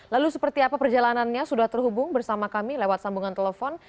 lalu seperti apa perjalanannya sudah terhubung bersama kami lewat sambungan telepon